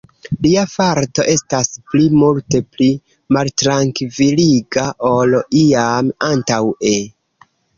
Lia farto estas pli, multe pli maltrankviliga, ol iam antaŭe.